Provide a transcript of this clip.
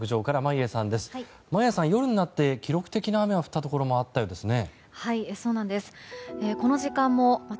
眞家さん、夜になって記録的な雨が降ったところもあったそうですね。